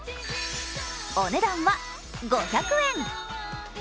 お値段は５００円。